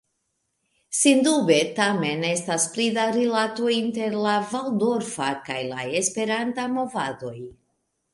Sendube tamen estas pli da rilatoj inter la valdorfa kaj la esperanta movadoj.